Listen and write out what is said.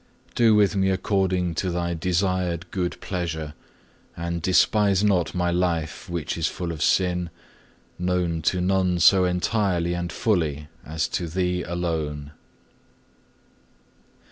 Do with me according to Thy desired good pleasure, and despise not my life which is full of sin, known to none so entirely and fully as to Thee alone.